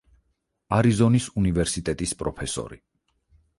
არიზონის უნივერსიტეტის პროფესორი.